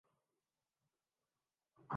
بینی